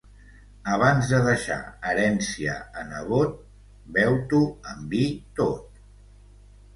Abans de deixar herència a nebot, beu-t'ho en vi tot.